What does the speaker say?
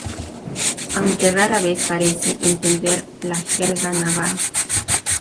Aunque rara vez parece entender la jerga naval.